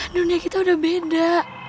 dunia kita udah beda